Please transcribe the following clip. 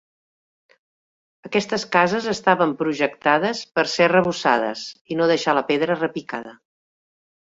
Aquestes cases estaven projectades per a ser arrebossades i no deixar la pedra repicada.